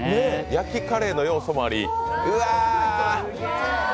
焼きカレーの要素もあり、うわ！